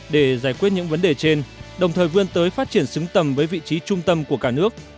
để giải quyết những vấn đề trên đồng thời vươn tới phát triển xứng tầm với vị trí trung tâm của cả nước